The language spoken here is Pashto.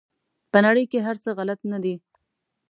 په نړۍ کې هر څه غلط نه دي.